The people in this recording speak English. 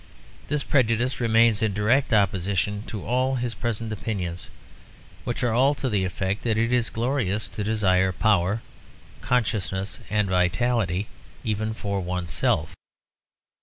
This prejudice remains in direct opposition to all his present opinions, which are all to the effect that it is glorious to desire power, consciousness, and vitality even for one's self.